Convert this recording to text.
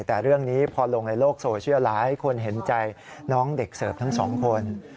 แต่เรื่องนี้พอลงในโลกโซเชียลหลายคนเห็นใจน้องเด็กเสิร์ฟทั้งสองคน